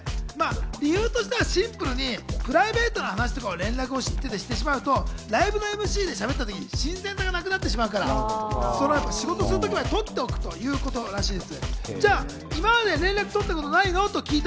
理由としては、シンプルに、プライベートの話とかは連絡してしまうと、ライブのＭＣでしゃべってしまうと新鮮味がなくなってしまうから、仕事をする時まで取っておくということらしいです。